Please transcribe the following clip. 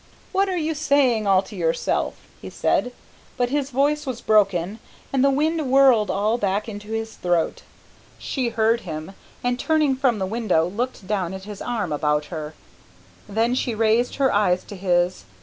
"What are you saying all to yourself?" he said, but his voice was broken, and the wind whirled it back into his throat. She heard him, and, turning from the window looked down at his arm about her. Then she raised her eyes to his.